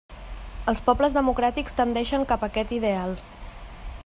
Els pobles democràtics tendeixen cap a aquest ideal.